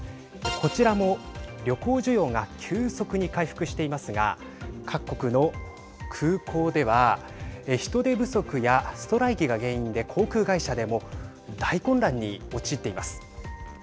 こちらも旅行需要が急速に回復していますが各国の空港では人手不足やストライキが原因で航空会社でも大混乱に陥っています。